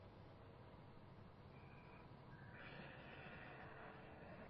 The primary objective was to breed more resistant and less demanding crops.